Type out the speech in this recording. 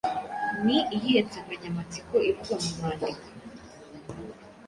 Ni iyihe nsanganyamatsiko ivugwa mu mwandiko